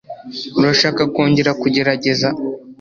urashaka kongera kugerageza